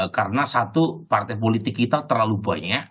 karena satu partai politik kita terlalu banyak